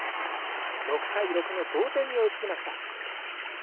６対６の同点に追いつきました。